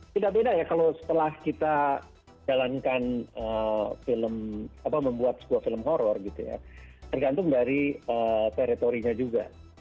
tidak beda ya kalau setelah kita jalankan film membuat sebuah film horror gitu ya tergantung dari teritorinya juga